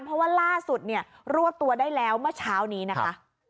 เพราะว่าล่าสุดเนี่ยรวบตัวได้แล้วเมื่อเช้านี้นะคะ